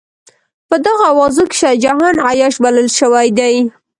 په دغو اوازو کې شاه جهان عیاش بلل شوی دی.